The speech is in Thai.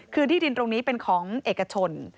คือที่ดินตรงนี้เป็นของเอกชน